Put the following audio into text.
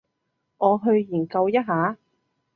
我去研究一下